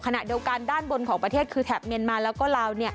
ขณะเดียวกันด้านบนของประเทศคือแถบเมียนมาแล้วก็ลาว